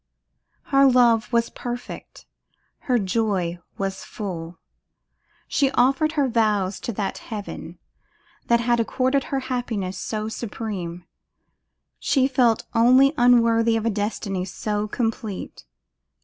Her love was perfect, and her joy was full. She offered her vows to that Heaven that had accorded her happiness so supreme; she felt only unworthy of a destiny so complete.